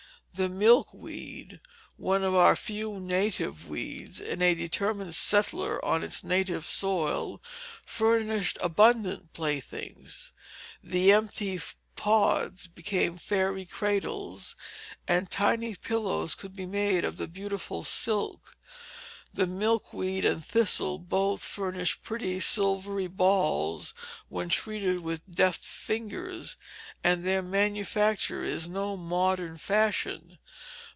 The milkweed, one of our few native weeds, and a determined settler on its native soil, furnished abundant playthings. The empty pods became fairy cradles, and tiny pillows could be made of the beautiful silk. The milkweed and thistle both furnish pretty, silvery balls when treated with deft fingers; and their manufacture is no modern fashion.